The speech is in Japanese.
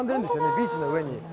ビーチの上に。